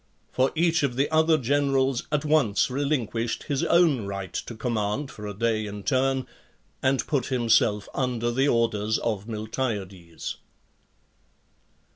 For each of the other generals at once relinquished his own right to com mand for a day in turn, and put himself under the orders of Miltiades.